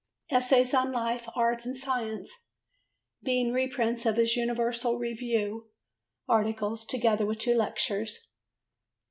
Essays on Life, Art and Science, being reprints of his Universal Review articles, together with two lectures.